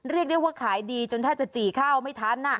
เรียกได้ว่าขายดีจนแทบจะจี่ข้าวไม่ทัน